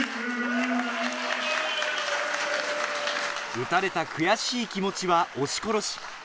打たれた悔しい気持ちは押し殺し